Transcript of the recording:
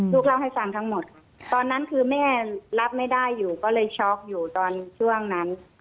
ลูกเล่าให้ฟังทั้งหมดค่ะตอนนั้นคือแม่รับไม่ได้อยู่ก็เลยช็อกอยู่ตอนช่วงนั้น